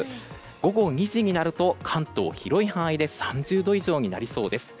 午後２時になると関東、広い範囲で３０度以上になりそうです。